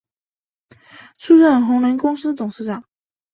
出任鸿霖公司董事长。